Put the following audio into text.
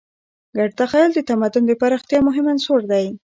ګډ تخیل د تمدن د پراختیا مهم عنصر دی.